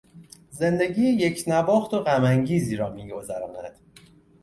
زندگی یکنواخت و غمانگیزی را میگذراند.